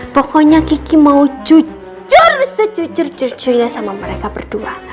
pokoknya kiki mau jujur sejujur jujurnya sama mereka berdua